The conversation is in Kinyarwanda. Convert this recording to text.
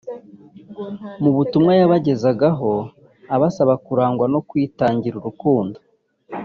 Mu butumwa yabagezagaho abasaba kurangwa no kwitangira urukundo